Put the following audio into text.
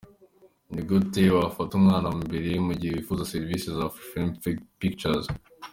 Ni gute wafata umwanya mbere mu gihe wifuza serivisi za Afrifame Pictures?.